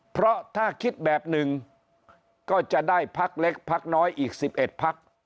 เพราะถ้าคิดแบบหนึ่งก็จะได้พักเล็กพักน้อยอีก๑๑พัก